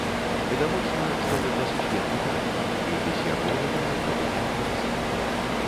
Відавочна, што гэта сусветны талент, і без яго гэта магло б і не адбыцца.